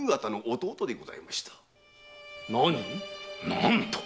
何と！